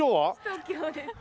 東京です。